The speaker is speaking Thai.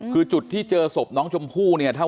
คือจุดที่เจอศพน้องชมพู่เนี่ย